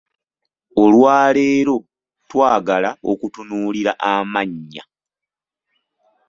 Olwaleero twagala okutunuulira amannya.